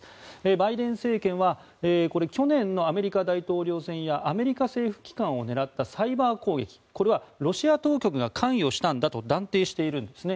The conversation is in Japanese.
バイデン政権は去年のアメリカ大統領選やアメリカ政府機関を狙ったサイバー攻撃これはロシア当局が関与したんだと断定しているんですね。